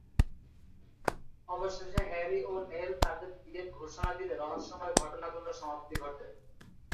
অবশেষে হ্যারি ও নেল তাদের বিয়ের ঘোষণা দিলে রহস্যময় ঘটনাগুলোর সমাপ্তি ঘটে।